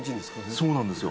そうなんですよ。